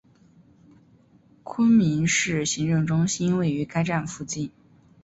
昆明市行政中心位于该站附近。